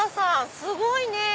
すごいね。